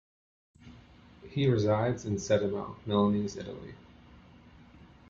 He resides in Settimo Milanese, Italy.